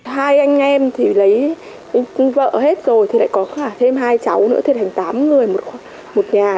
hai anh em thì lấy vợ hết rồi thì lại có cả thêm hai cháu nữa thiệt thành tám người một nhà